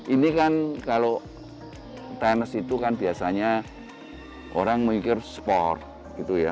ini kan kalau tenis itu kan biasanya orang mikir sport gitu ya